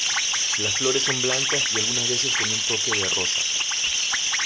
Las flores son blancas y algunas veces con un toque rosa.